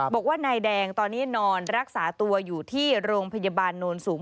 บอกว่านายแดงตอนนี้นอนรักษาตัวอยู่ที่โรงพยาบาลโนนสูง